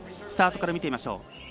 スタートから見ましょう。